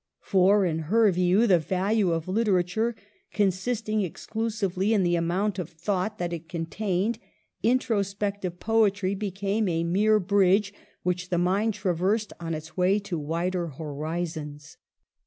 For, in her view, the value of literature consist ing exclusively in the amount of thought that it contained, introspective poetry became a mere Digitized by VjOOQIC 2l6 MADAME DE STAEL. bridge which the mind traversed on its way to wider horizons.